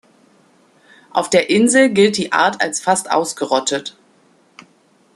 Auf der Insel gilt die Art als fast ausgerottet.